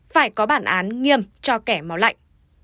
phải có bản án nghiêm cho kẻ máu lạnh